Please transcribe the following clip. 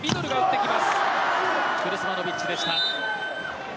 クルスマノビッチでした。